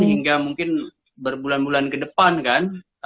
hingga mungkin berbulan bulan kedepan kan